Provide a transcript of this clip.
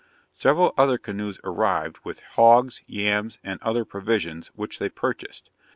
Several other canoes arrived with hogs, yams, and other provisions, which they purchased.